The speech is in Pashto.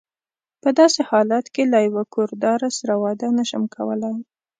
په داسې حالت کې له یوه کور داره سره واده نه شم کولای.